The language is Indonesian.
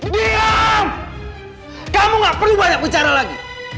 diam kamu gak perlu banyak bicara lagi